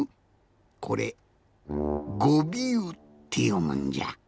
これ「ごびゅう」ってよむんじゃ。